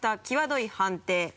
きわどい判定